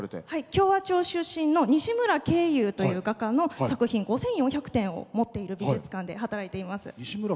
共和町出身のにしむらけいゆうという画家の、作品、５４００点をもっている美術館で働いています。